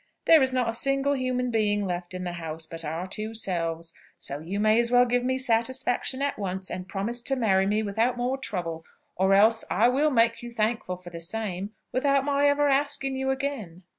There is not a single human being left in the house but our two selves; so you may as well give me satisfaction at once, and promise to marry me without more trouble, or else, I will make you thankful for the same, without my ever asking you again."